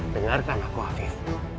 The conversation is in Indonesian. dengarkan aku afif